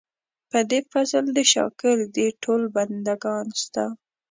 په دې فضل دې شاګر دي ټول بندګان ستا.